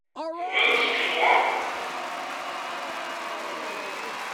Tebɣiḍ ad teččeḍ wa?